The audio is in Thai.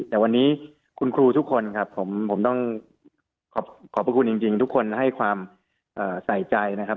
แต่วันนี้คุณครูทุกคนครับผมต้องขอบพระคุณจริงทุกคนให้ความใส่ใจนะครับ